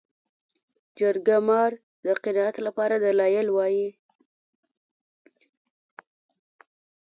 جرګه مار د قناعت لپاره دلایل وايي